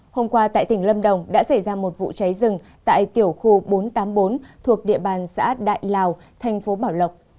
hôm qua tại tỉnh lâm đồng đã xảy ra một vụ cháy rừng tại tiểu khu bốn trăm tám mươi bốn thuộc địa bàn xã đại lào thành phố bảo lộc